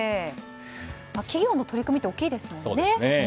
企業の取り組みって大きいですよね。